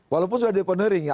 walaupun sudah di deponering ya